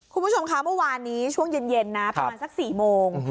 คุณผู้ชมคะเมื่อวานนี้ช่วงเย็นนะประมาณสัก๔โมง